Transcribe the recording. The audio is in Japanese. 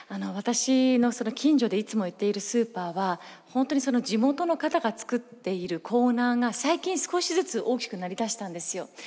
私の近所でいつも行っているスーパーは本当に地元の方が作っているコーナーが最近少しずつ大きくなりだしたんですよ。